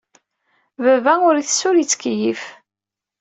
Baba ur itess ur yettkiyyif.